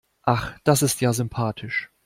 Ach, das ist ja sympathisch.